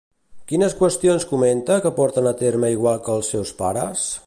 Quines qüestions comenta que porten a terme igual que els seus pares?